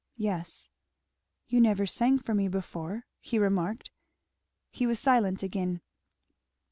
"Yes." "You never sang for me before," he remarked. He was silent again.